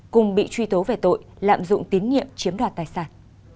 cùng bị truy tố về tội lạm dụng tín nhiệm chiếm đoạt tài sản